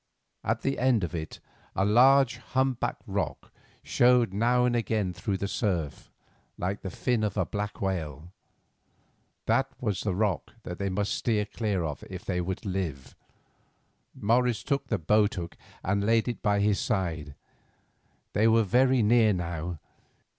At the end of it a large, humpbacked rock showed now and again through the surf, like the fin of a black whale. That was the rock which they must clear if they would live. Morris took the boat hook and laid it by his side. They were very near now.